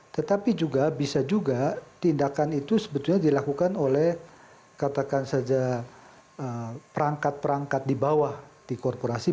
tetapi juga bisa juga tindakan itu sebetulnya dilakukan oleh katakan saja perangkat perangkat di bawah di korporasi